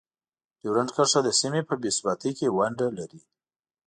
ډیورنډ کرښه د سیمې په بې ثباتۍ کې ونډه لري.